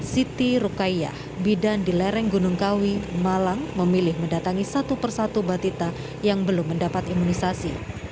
siti rukaiyah bidan di lereng gunung kawi malang memilih mendatangi satu persatu batita yang belum mendapat imunisasi